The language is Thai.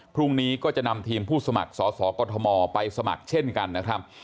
พรุ่งนี้ก็จะนำทีมผู้สมัครสอสอกรทมไปสมัครเช่นกันนะครับ